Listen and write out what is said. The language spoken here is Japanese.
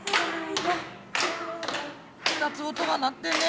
２つ音が鳴ってるね。